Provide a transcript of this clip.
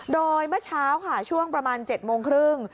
โดยเมื่อเช้าค่ะช่วงประมาณ๗โมงครึ่ง